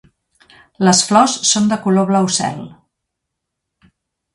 Les flors són de color blau cel.